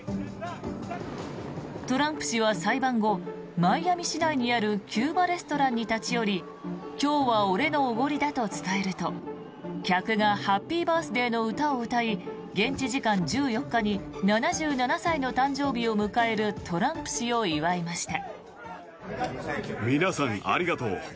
トランプ氏は裁判後マイアミ市内にあるキューバレストランに立ち寄り今日は俺のおごりだと伝えると客がハッピーバースデーの歌を歌い、現地時間１４日に７７歳の誕生日を迎えるトランプ氏を祝いました。